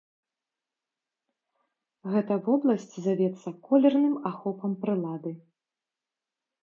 Гэта вобласць завецца колерным ахопам прылады.